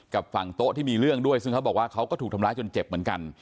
กับฝั่งโต๊ะที่มีเรื่องด้วยซึ่งเขาบอกว่าเขาก็ถูกทำร้ายจนเจ็บเหมือนกัน